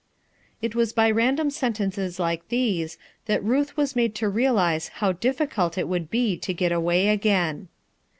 It was by random sentences like these, that Ruth was made to realize how difficult it would be to get away again.